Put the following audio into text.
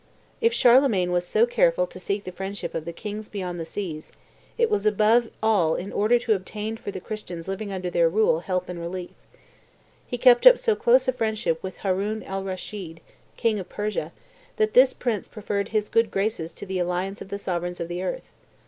"If Charlemagne was so careful to seek the friendship of the kings beyond the seas, it was above all in order to obtain for the Christians living under their rule help and relief. ... He kept up so close a friendship with Haroun al Raschid, king of Persia, that this prince preferred his good graces to the alliance of the sovereigns of the earth.